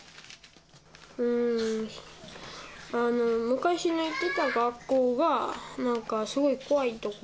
昔行ってた学校が、なんかすごい怖い所。